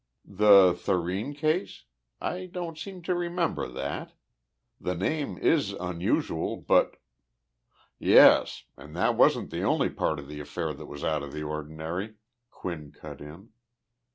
"The Thurene case? I don't seem to remember that. The name is unusual, but " "Yes, and that wasn't the only part of the affair that was out of the ordinary," Quinn cut in.